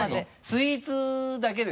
スイーツだけですか？